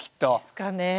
ですかね。